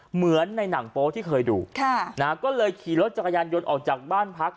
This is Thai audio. เหมือนในหนังโป๊ที่เคยดูก็เลยขี่รถจักรยานยนต์ออกจากบ้านพัก